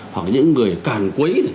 hoặc những người càn quấy